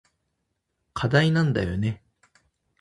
課題なんだよね。